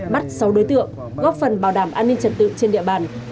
bắt sáu đối tượng góp phần bảo đảm an ninh trật tự trên địa bàn